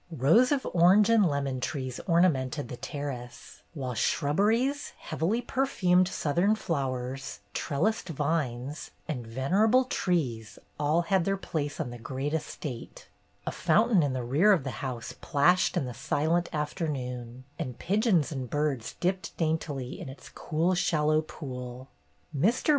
Rows of orange and lemon trees ornamented the terrace, while shrubberies, heavily per fumed southern flowers, trellised vines, and venerable trees, all had their place on the great estate; a fountain in the rear of the house plashed in the silent afternoon, and pigeons and birds dipped daintily in its cool, shallow pool. Mr.